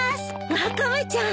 ワカメちゃん